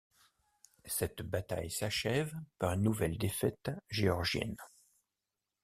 Cette bataille s'achève par une nouvelle défaite géorgienne.